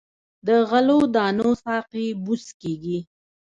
د غلو دانو ساقې بوس کیږي.